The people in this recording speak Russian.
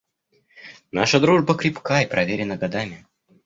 Наша дружба крепка и проверена годами.